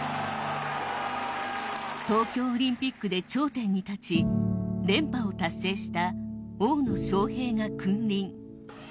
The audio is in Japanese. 東京オリンピックで頂点に立ち連覇を達成した大野将平が君臨。